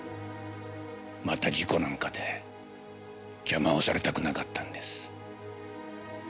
また事故なんかで邪魔をされたくなかったんです。